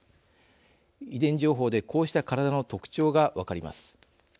遺伝情報でこうした体の特徴が分かります。